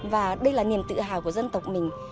và đây là niềm tự hào của dân tộc mình